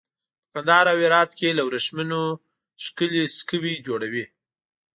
په کندهار او هرات کې له وریښمو ښکلي سکوي جوړوي.